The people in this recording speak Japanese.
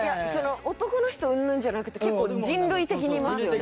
男の人うんぬんじゃなくて結構人類的にいますよね